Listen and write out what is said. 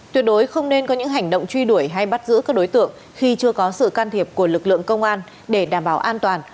tuyệt đối không nên có những hành động truy đuổi hay bắt giữ các đối tượng khi chưa có sự can thiệp của lực lượng công an